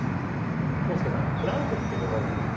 浩介さん「プランク」ってご存じですか？